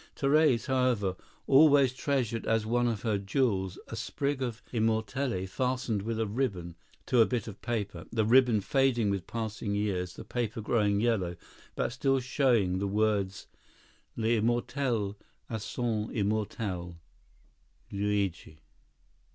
Therese, however, always treasured as one of her "jewels" a sprig of immortelle fastened with a ribbon to a bit of paper, the ribbon fading with passing years, the paper growing yellow, but still showing the words: "L'Immortelle à son Immortelle—Luigi."